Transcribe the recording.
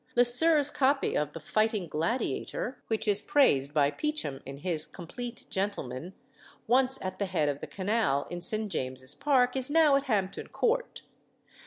Le Sœur's copy of the "Fighting Gladiator," which is praised by Peacham in his "Compleat Gentleman," once at the head of the canal in St. James's Park, is now at Hampton Court.